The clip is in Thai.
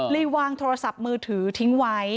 วางโทรศัพท์มือถือทิ้งไว้